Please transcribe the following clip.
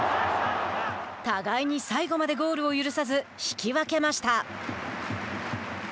互いに最後までゴールを許さず引き分けました。